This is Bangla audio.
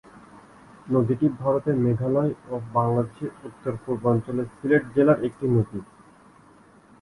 নদীটি ভারতের মেঘালয় এবং বাংলাদেশের উত্তর-পূর্বাঞ্চলের সিলেট জেলার একটি নদী।